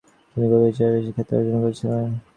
তিনি কবি হিসেবে বেশ খ্যাতি অর্জন করেছিলেন।